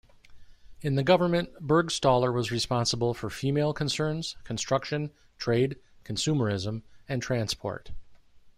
In the Government Burgstaller was responsible for female concerns, construction, trade, consumerism, and transport.